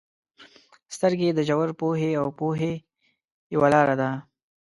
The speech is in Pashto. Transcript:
• سترګې د ژور پوهې او پوهې یوه لاره ده.